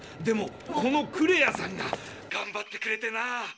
でもこのクレアさんががんばってくれてな。